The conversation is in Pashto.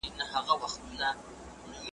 په عرضه او تولید کي بدلون راځي.